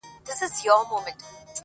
ستا د تیو په زبېښلو له شرابو ډک ځيگر سو,